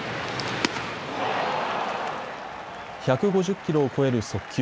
１５０キロを超える速球。